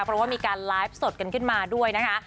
เพราะว่ามีการไลฟ์สดกันขึ้นมาด้วยนะคะ